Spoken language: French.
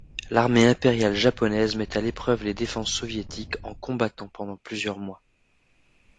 L'armée impériale japonaise met à l'épreuve les défenses soviétiques en combattant pendant plusieurs mois.